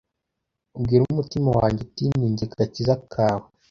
Ubwire umutima wanjye uti “ni njye gakiza kawe”